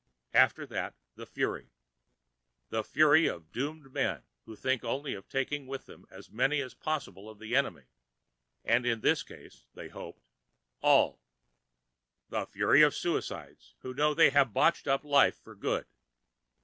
After that, the Fury. The Fury of doomed men who think only of taking with them as many as possible of the enemy, and in this case they hoped all. The Fury of suicides who know they have botched up life for good.